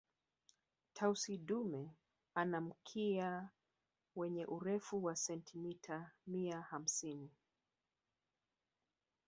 tausi dume ana mkia wenye urefu wa sentimita mia hamsini